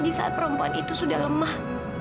di saat perempuan itu sudah lemah